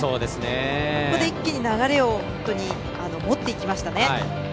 ここで一気に流れを持っていきましたね。